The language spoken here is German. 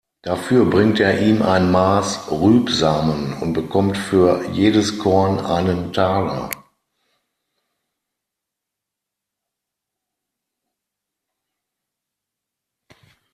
Dafür bringt er ihm ein Maas Rübsamen und bekommt für jedes Korn einen Taler.